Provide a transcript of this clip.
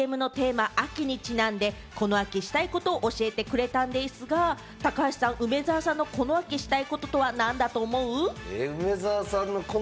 インタビューでは、ＣＭのテーマ・秋にちなんで、この秋したいことを教えてくれたんですが、高橋さん、梅沢さんのこの秋したいことは何だと思う？